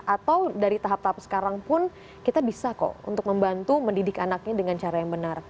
atau dari tahap tahap sekarang pun kita bisa kok untuk membantu mendidik anaknya dengan cara yang benar